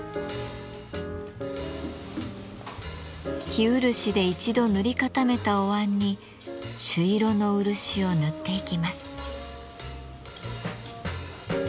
生漆で一度塗り固めたおわんに朱色の漆を塗っていきます。